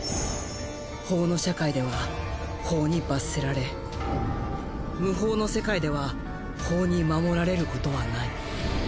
法の社会では法に罰せられ無法の世界では法に守られることはない。